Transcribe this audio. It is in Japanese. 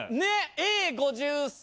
Ａ５３